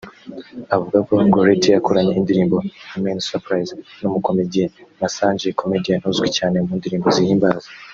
Avuga ko Gorethi yakoranye indirimbo “Ameni Surprise” n’ umukomediye Masanja (comedian) uzwi cyane mu ndirimbo zihimbaza